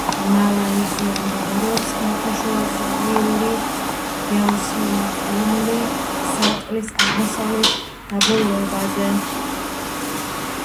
მალაიზია მდებარეობს ხმელთაშუაზღვიური გეოსინკლინური სარტყლის აღმოსავლეთ დაბოლოებაზე.